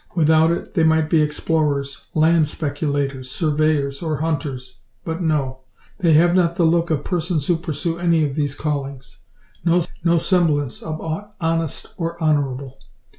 Without it, they might be explorers, land speculators, surveyors, or hunters. But no. They have not the look of persons who pursue any of these callings; no semblance of aught honest or honourable.